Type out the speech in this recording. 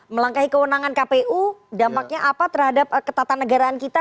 melangkahi kewenangan kpu dampaknya apa terhadap ketatanegaraan kita